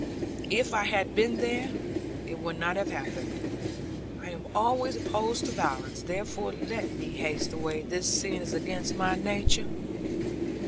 'If I had been there, it would not have happened. I am always opposed to violence. Therefore, let me haste away; this scene is against my nature.'